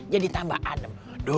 jadi tambah adem